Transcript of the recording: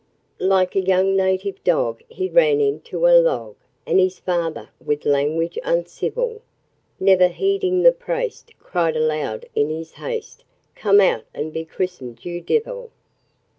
Like a young native dog he ran into a log, And his father with language uncivil, Never heeding the 'praste' cried aloud in his haste, 'Come out and be christened, you divil!'